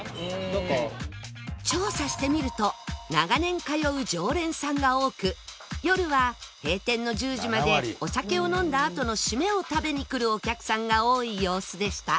調査してみると長年通う常連さんが多く夜は閉店の１０時までお酒を飲んだあとのシメを食べに来るお客さんが多い様子でした